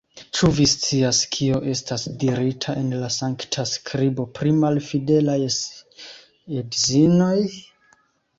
Ĉu vi scias, kio estas dirita en la Sankta Skribo pri malfidelaj edzinoj?